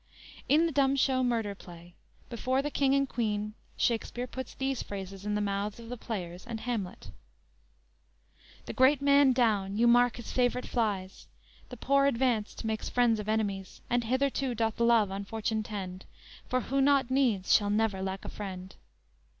"_ In the dumb show murder play, before the King and Queen Shakspere puts these phrases in the mouths of the players and Hamlet: _"The great man down, you mark his favorite flies; The poor advanced makes friends of enemies; And hitherto doth love on fortune tend; For who not needs, shall never lack a friend."